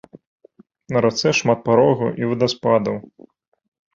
На рацэ шмат парогаў і вадаспадаў.